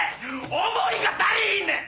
思いが足りひんねん！